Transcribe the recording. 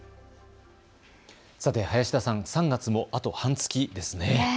さて林田さん、３月もあと半月ですね。